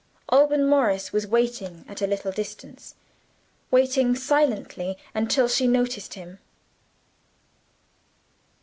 Alban Morris was waiting at a little distance waiting silently until she noticed him.